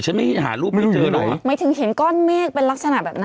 ไม่หารูปไม่ได้เจอหรอหมายถึงเห็นก้อนเมฆเป็นลักษณะแบบนั้น